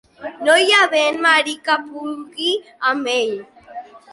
No hi ha vent marí que pugui amb ell.